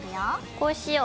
こうしよう。